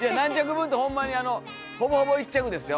分ってほんまにほぼほぼ１着ですよ。